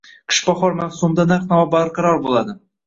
Qish-bahor mavsumida narx-navo barqaror bo‘ladi